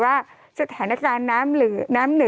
โทษทีน้องโทษทีน้อง